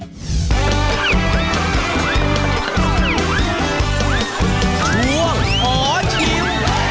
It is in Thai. ช่วงขอชิม